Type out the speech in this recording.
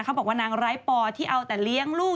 บอกว่านางไร้ปอที่เอาแต่เลี้ยงลูก